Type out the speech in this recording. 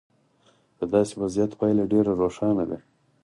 د داسې وضعیت پایله ډېره روښانه ده.